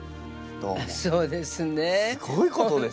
そうですね。